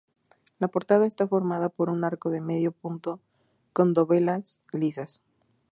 La portada está formada por un arco de medio punto con dovelas lisas.